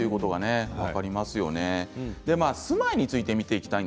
住まいについて見ていきます。